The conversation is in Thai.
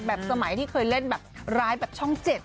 สมัยที่เคยเล่นแบบร้ายแบบช่อง๗